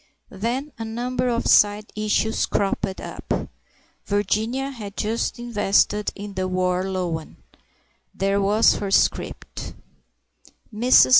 Then a number of side issues cropped up. Virginia had just invested in the War Loan; there was her scrip. Mrs.